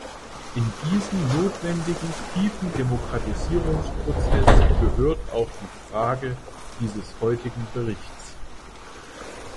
In diesen notwendigen tiefen Demokratisierungsprozess gehört auch die Frage dieses heutigen Berichts.